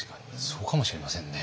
そうかもしれませんね。